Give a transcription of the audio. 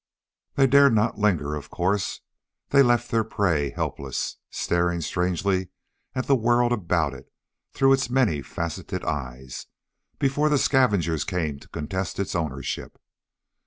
They dared not linger, of course. They left their prey helpless staring strangely at the world about it through its many faceted eyes before the scavengers came to contest its ownership.